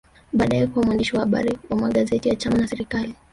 Baadae kuwa mwandishi wa habari wa magazeti ya chama na serikali